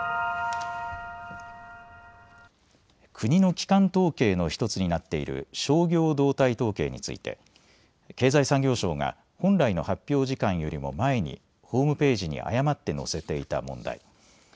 国の基幹統計の１つになっている商業動態統計について経済産業省が本来の発表時間よりも前にホームページに誤って載せていた問題。